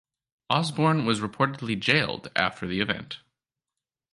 Osborn was reportedly jailed after the event.